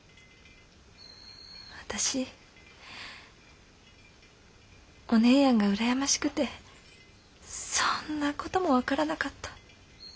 私お姉やんが羨ましくてそんな事も分からなかった。